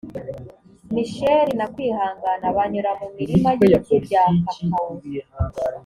misheli na kwihangana banyura mu mirima y’ibiti bya kakawo